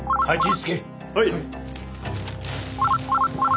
はい。